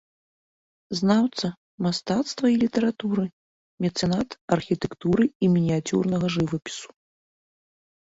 Знаўца мастацтва і літаратуры, мецэнат архітэктуры і мініяцюрнага жывапісу.